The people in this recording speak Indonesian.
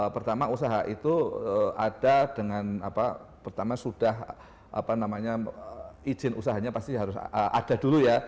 pertama usaha itu ada dengan pertama sudah izin usahanya pasti harus ada dulu ya